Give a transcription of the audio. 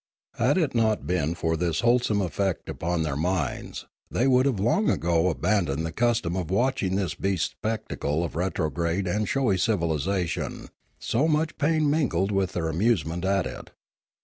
Had it not been for this wholesome effect upon their minds, they would have long ago abandoned the custom of watching this beast spectacle of retrograde and showy civilisation, so much pain mingled with their amuse ment at it.